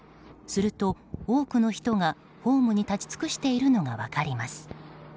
すると、多くの人がホームに立ち尽くしているのが分かります。